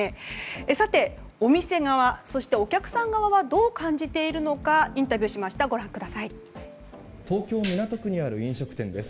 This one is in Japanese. さてお店側、そしてお客さん側はどう感じているのか東京・港区にある飲食店です。